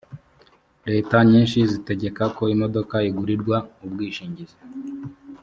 leta nyinshi zitegeka ko imodoka igurirwa ubwishingizi